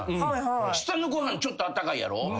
下のご飯ちょっとあったかいやろ。